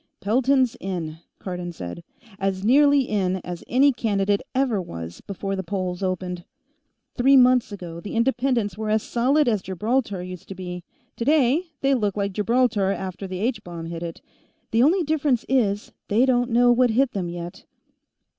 "Pelton's in," Cardon said. "As nearly in as any candidate ever was before the polls opened. Three months ago, the Independents were as solid as Gibraltar used to be. Today, they look like Gibraltar after that H bomb hit it. The only difference is, they don't know what hit them, yet."